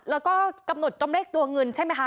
แล้วก็กำหนดจำเลขตัวเงินใช่ไหมคะ